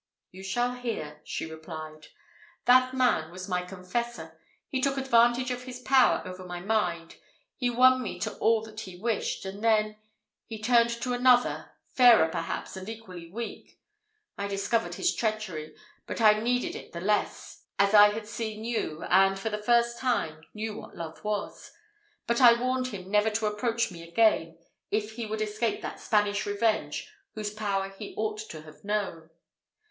"You shall hear," she replied. "That man was my confessor. He took advantage of his power over my mind he won me to all that he wished and then he turned to another fairer, perhaps, and equally weak. I discovered his treachery, but I heeded it the less, as I had seen you, and, for the first time, knew what love was; but I warned him never to approach me again, if he would escape that Spanish revenge whose power he ought to have known.